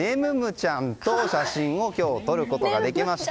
ちゃんと写真を今日撮ることができました。